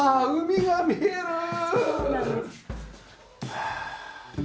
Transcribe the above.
はあ。